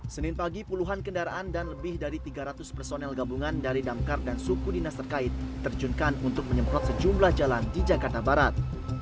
senin pagi puluhan kendaraan dan lebih dari tiga ratus personel gabungan dari damkar dan suku dinas terkait terjunkan untuk menyemprot sejumlah jalan di jakarta barat